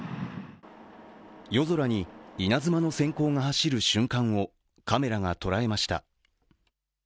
夜空に稲妻のせん光が走る瞬間をカメラが捉えました。